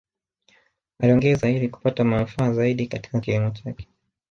Aliongeza ili kupata manufaa zaidi Katika kilimo chake